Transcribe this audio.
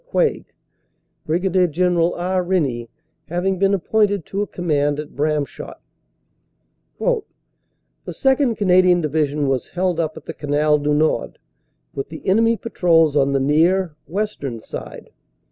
McCuaig, Brig. General R. Rennie having been appointed to a command at Bramshott: "The 2nd. Canadian Division was held up at the Canal du Nord, with the enemy patrols on the near (western) side.